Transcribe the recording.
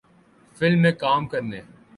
film میں کام کرنے